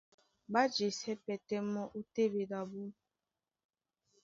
Ɓá jesɛ́ pɛ́tɛ́ mɔ́ ó téɓedi abú.